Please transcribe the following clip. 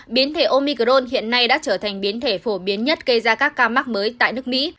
biến thể omicron hiện nay đã trở thành biến thể phổ biến nhất gây ra các ca mắc mới tại nước mỹ